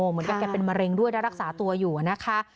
เหมือนกับแกเป็นมะเร็งด้วยได้รักษาตัวอยู่นะคะ